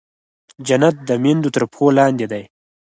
جنت د مېندو تر پښو لاندې دی.